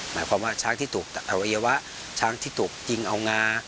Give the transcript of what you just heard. หมายความว่าช้างที่ถูกตัดอวัยวะช้างที่ถูกยิงเอางา